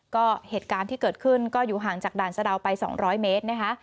ก็เหตุการณ์ที่เกิดขึ้นก็อยู่ห่างจากด่านสะดาวไป๒๐๐เมตรนะคะ